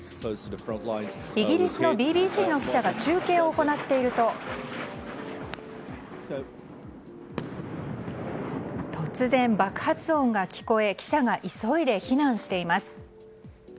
イギリスのＢＢＣの記者が中継を行っていると突然、爆発音が聞こえ記者が急いで避難しています。